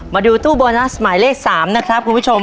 มาดูตู้โบนัสหมายเลข๓นะครับคุณผู้ชม